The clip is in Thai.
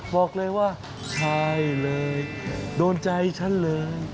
บอกเลยว่าใช่เลยโดนใจฉันเลย